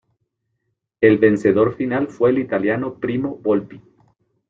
El vencedor final fue el italiano Primo Volpi.